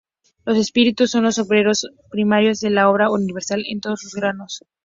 Los espíritus son los obreros primarios de la obra universal en todos sus grados.